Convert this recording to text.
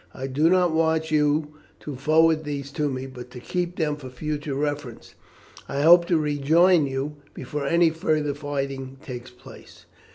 I do not want you to forward these to me, but to keep them for future reference. I hope to rejoin before any further fighting takes place."